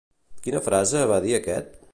Quina frase va dir aquest?